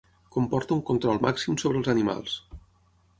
Comporta un control màxim sobre els animals.